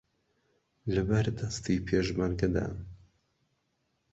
لەبەردەستی پێشمەرگەدان